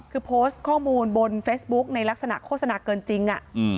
คือโพสต์ข้อมูลบนเฟซบุ๊กในลักษณะโฆษณาเกินจริง